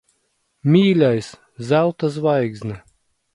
Mīļais! Zelta zvaigzne.